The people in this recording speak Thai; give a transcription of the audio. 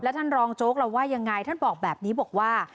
ท่านรองโจ๊กเราว่ายังไงท่านบอกแบบนี้บอกว่า